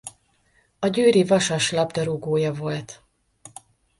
A Győri Vasas labdarúgója volt.